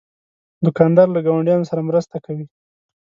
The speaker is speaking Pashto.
دوکاندار له ګاونډیانو سره مرسته کوي.